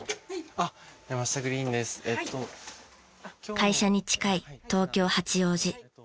会社に近い東京八王子。